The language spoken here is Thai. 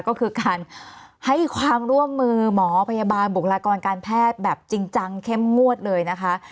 ก็คือการให้ความร่วมมือหมอพยาบาลบุคลากรการแพทย์แบบจริงจังเข้มงวดเลยนะคะ